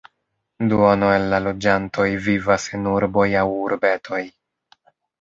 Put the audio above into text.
Duono el la loĝantoj vivas en urboj aŭ urbetoj.